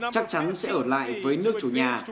chắc chắn sẽ ở lại với nước chủ nhà